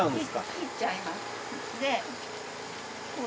切っちゃいます。